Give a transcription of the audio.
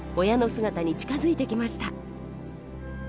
親の姿に近づいてきました。